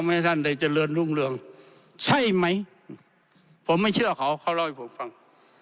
ให้ท่านได้เจริญรุ่งเรืองใช่ไหมผมไม่เชื่อเขาเขาเล่าให้ผมฟัง